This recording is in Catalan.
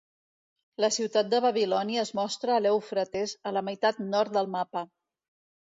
La ciutat de Babilònia es mostra a l'Eufrates, a la meitat nord del mapa.